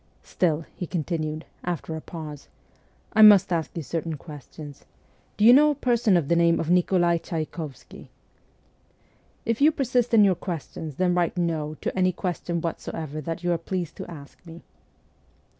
Still,' he continued, after a pause, ' I must ask you certain questions. Do you know a person of the name of Nikolai Tchay kovsky ?'' If you persist in your questions, then write " No " to any question whatsoever that you are pleased to ask me.'